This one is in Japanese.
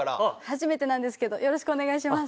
初めてなんですけどよろしくお願いします。